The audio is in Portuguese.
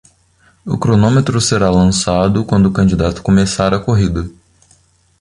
O cronômetro será lançado quando o candidato começar a corrida.